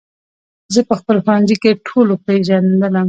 زه په خپل ښوونځي کې ټولو پېژندلم